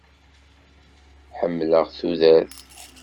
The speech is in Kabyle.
Ḥemmleɣ tudert.